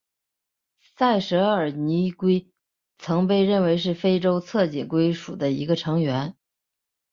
塞舌耳泥龟曾被认为是非洲侧颈龟属的一个成员。